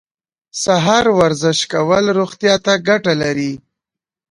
سهار ورزش کول روغتیا ته ګټه لري.